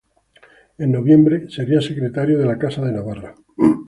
En noviembre sería secretario de la casa de Navarra.